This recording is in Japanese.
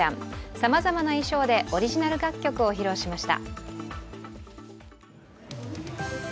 さまざまな衣装でオリジナル楽曲を披露しました。